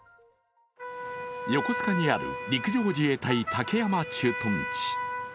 横須賀にある陸上自衛隊武山駐屯地。